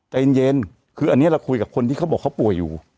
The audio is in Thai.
ใจเย็นคืออันนี้เราคุยกับคนที่เขาบอกเขาป่วยอยู่